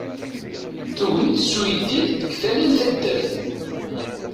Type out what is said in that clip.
Tugem-d s uyeddid deg tala n taddart.